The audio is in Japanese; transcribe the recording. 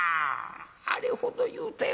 「あれほど言うたやろ。